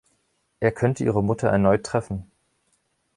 Er könnte ihre Mutter erneut treffen.